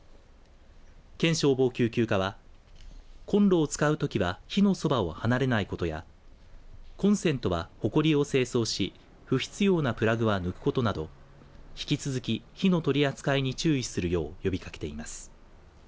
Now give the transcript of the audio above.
県消防救急課はコンロを使うときは火のそばを離れないことやコンセントはほこりを清掃し不必要なプラグは抜くことなど引き続き、火の取り扱いに注意するよう呼びかけています。